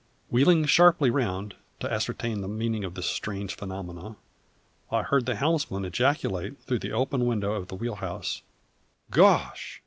Wheeling sharply round, to ascertain the meaning of this strange phenomenon, I heard the helmsman ejaculate, through the open window of the wheel house: "Gosh!